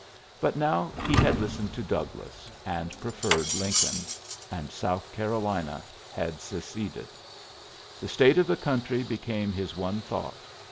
But low he had listened to Douglas, and )referred Lincoln; and South Carolina lad seceded. The state of the country )ecame his one thought.